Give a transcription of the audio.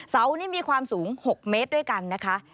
เสานี่มีความสูง๖เมตรด้วยกันนะคะ